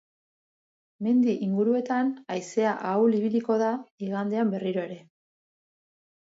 Mendi inguruetan haizea ahul ibiliko da igandean berriro ere.